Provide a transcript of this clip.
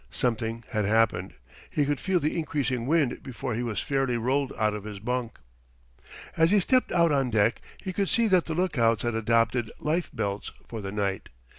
Something had happened. He could feel the increasing wind before he was fairly rolled out of his bunk. As he stepped out on deck he could see that the lookouts had adopted life belts for the night.